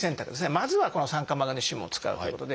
まずはこの酸化マグネシウムを使うということで。